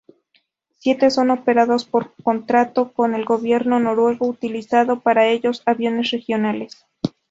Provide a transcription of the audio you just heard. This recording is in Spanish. Siete son operados por contrato con el gobierno noruego utilizando para ellos aviones regionales.